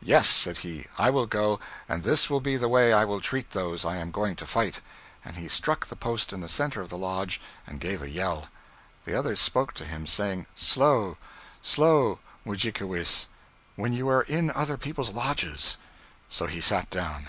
'Yes,' said he, 'I will go, and this will be the way I will treat those I am going to fight;' and he struck the post in the center of the lodge, and gave a yell. The others spoke to him, saying: 'Slow, slow, Mudjikewis, when you are in other people's lodges.' So he sat down.